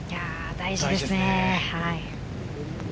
大事ですね。